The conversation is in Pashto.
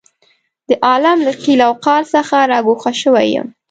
د عالم له قیل او قال څخه را ګوښه شوی یم.